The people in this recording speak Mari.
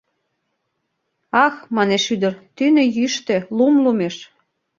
— Ах, — манеш ӱдыр, — тӱнӧ йӱштӧ, лум лумеш!